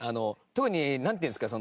特になんていうんですか